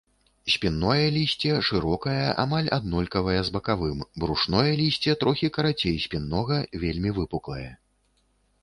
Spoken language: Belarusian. Спінное лісце шырокае, амаль аднолькавае з бакавым, брушное лісце трохі карацей спіннога, вельмі выпуклае.